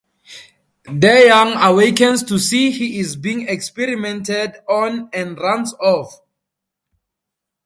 DeYoung awakens to see he is being experimented on and runs off.